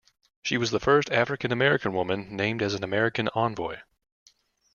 She was the first African American woman named as an American envoy.